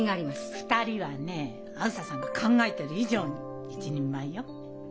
２人はねえあづささんが考えてる以上に一人前よ。